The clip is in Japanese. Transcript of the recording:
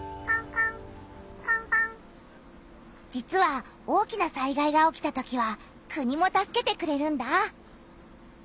実は大きな災害が起きたときは「国」も助けてくれるんだ！